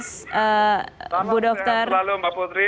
selamat sehat selalu mbak putri